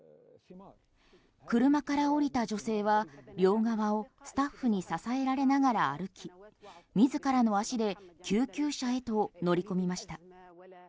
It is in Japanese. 車から降りた女性は両側をスタッフに支えられながら歩き自らの足で救急車へと乗り込みました。